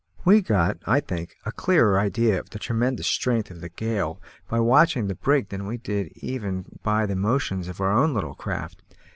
We got, I think, a clearer idea of the tremendous strength of the gale by watching the brig than we did even by the motions of our own little craft.